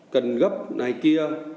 cần gấp này kia